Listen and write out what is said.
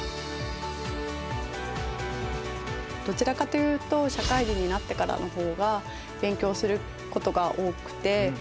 どちらかというと社会人になってからの方が勉強することが多くて。